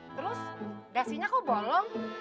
terus dasinya kok bolong